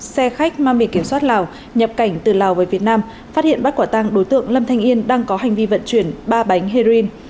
xe khách mang bị kiểm soát lào nhập cảnh từ lào về việt nam phát hiện bắt quả tăng đối tượng lâm thanh yên đang có hành vi vận chuyển ba bánh heroin